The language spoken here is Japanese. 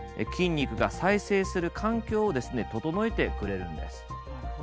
筋肉が再生する環境をですね整えてくれるんです。